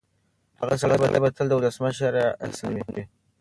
هغه سړی به تل د ولسمشر احسانمن وي.